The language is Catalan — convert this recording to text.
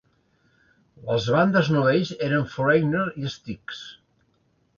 Les bandes novells eren Foreigner i Styx.